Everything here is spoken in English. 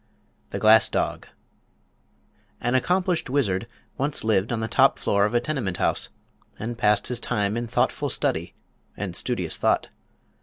THE GLASS DOG An accomplished wizard once lived on the top floor of a tenement house and passed his time in thoughtful study and studious thought.